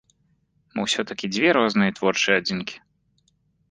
Мы ўсё-такі дзве розныя творчыя адзінкі.